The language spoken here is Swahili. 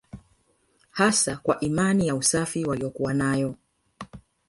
Hasa kwa imani ya usafi waliyokuwa nayo